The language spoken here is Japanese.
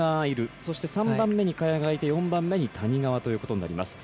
そして３番目に萱がいて４番目に谷川ということになります。